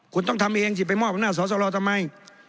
คุณต้องทำเองสิไปมอบอำนาจสอสรทำไม